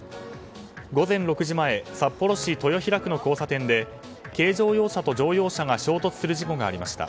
午前６時前札幌市豊平区の交差点で軽乗用車と乗用車が衝突する事故がありました。